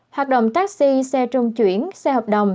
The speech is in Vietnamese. hoạt động taxi xe trung chuyển xe hợp đồng